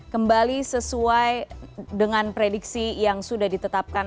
kembali sesuai dengan prediksi yang sudah ditetapkan